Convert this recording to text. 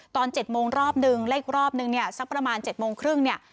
ตอน๗โมงรอบนึงและอีกรอบนึงเนี่ยสักประมาณ๗โมงครึ่งเนี่ย